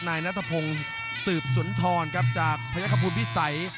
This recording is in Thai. นายนัทพงศ์สืบสุนธรณ์ครับจากพระยกพลพี่ไส